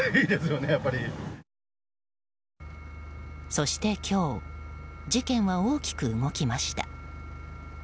そして今日、事件は大きく動きました。